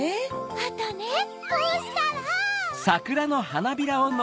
あとねこうしたら。